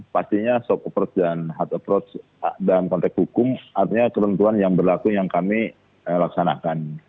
pastinya soft approach dan hard approach dalam konteks hukum artinya ketentuan yang berlaku yang kami laksanakan